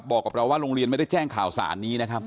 บอกกับเราว่าโรงเรียนไม่ได้แจ้งข่าวสารนี้นะครับ